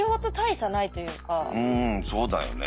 うんそうだよね。